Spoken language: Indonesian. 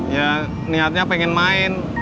ya niatnya pengen main